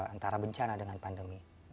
antara bencana dengan pandemi